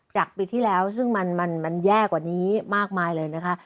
จากปีที่แล้วซึ่งมันแย่กว่านี้มากมายเลยนะคะ